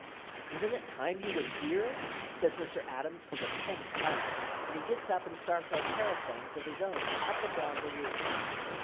"Isn't it time he was here?" says Mr. Adams for the tenth time; and he gets up and starts on parasangs of his own up and down the room.